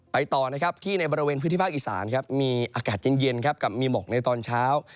ต่อนะครับที่ในบริเวณพื้นที่ภาคอีสานครับมีอากาศเย็นครับกับมีหมอกในตอนเช้า